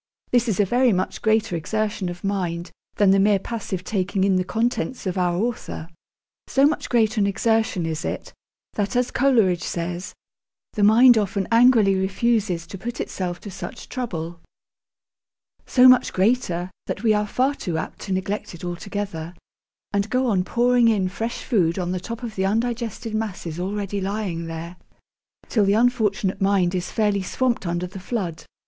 This is a very much greater exertion of mind than the mere passive taking in the contents of our Author. So much greater an exertion is it, that, as Coleridge says, the mind often 'angrily refuses' to put itself to such trouble so much greater, that we are far too apt to neglect it altogether, and go on pouring in fresh food on the top of the undigested masses already lying there, till the unfortunate mind is fairly swamped under the flood.